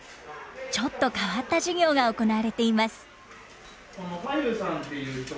ちょっと変わった授業が行われています。